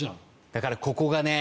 だからここがね